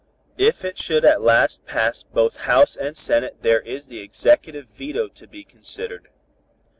"If it should at last pass both House and Senate there is the Executive veto to be considered.